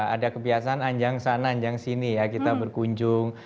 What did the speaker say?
ada kebiasaan anjang sana anjang sini ya kita berkunjung